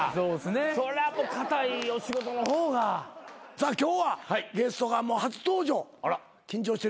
さあ今日はゲストが初登場緊張してるらしい。